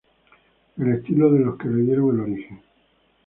El estilo de los que le dieron el origen.